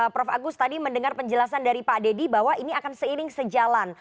prof agus tadi mendengar penjelasan dari pak deddy bahwa ini akan seiring sejalan